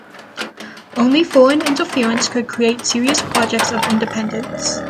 Only foreign interference could create serious projects of independence.